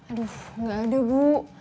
aduh gak ada bu